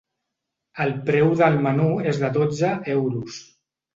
El preu del menú és de dotze euros.